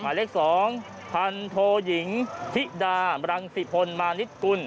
หมายเลข๒พันโทยิงธิดาบรังสิพลมานิดกุล